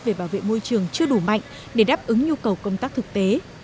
về bảo vệ môi trường chưa đủ mạnh để đáp ứng nhu cầu công tác thực tế